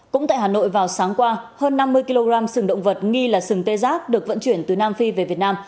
cũng tại hà nội vào sáng qua hơn năm mươi kg sừng động vật nghi là sừng tê giác được vận chuyển từ nam phi về việt nam